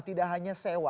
tidak hanya sewa